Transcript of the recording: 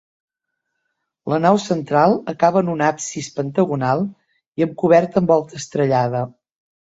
La nau central acaba en un absis pentagonal i amb coberta en volta estrellada.